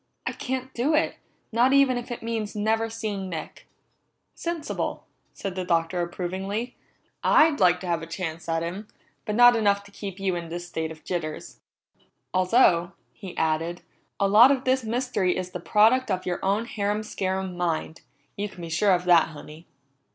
I can't do it, not even if it means never seeing Nick!" "Sensible," said the Doctor approvingly. "I'd like to have a chance at him, but not enough to keep you in this state of jitters. Although," he added, "a lot of this mystery is the product of your own harum scarum mind. You can be sure of that, Honey."